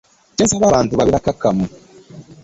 Kye nsaba abantu babe bakkakkamu.